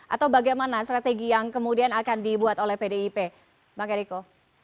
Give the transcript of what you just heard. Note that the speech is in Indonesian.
atau bagaimana strategi yang kemudian akan dibuat oleh pdip bang eriko